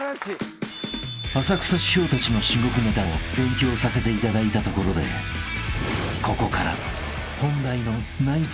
［浅草師匠たちの至極ネタを勉強させていただいたところでここから］